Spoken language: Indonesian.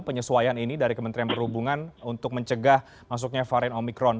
penyesuaian ini dari kementerian perhubungan untuk mencegah masuknya varian omikron